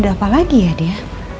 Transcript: ada apa lagi ya dia